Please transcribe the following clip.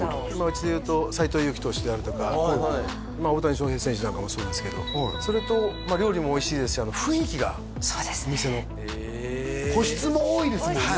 うちでいうと斎藤佑樹投手であるとか大谷翔平選手なんかもそうですけどそれと料理もおいしいですし雰囲気がお店の個室も多いですもんね